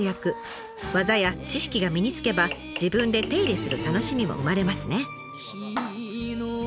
技や知識が身につけば自分で手入れする楽しみも生まれますね。